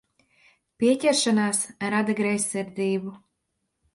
Pieķeršanās rada greizsirdību.